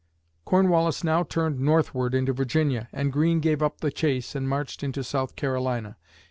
Cornwallis now turned northward into Virginia and Greene gave up the chase and marched into South Carolina.